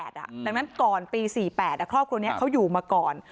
ดังนั้นก่อนปี๔๘ครอบครัวนี้เขาอยู่มาก่อน